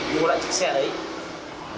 mua lại chiếc xe đấy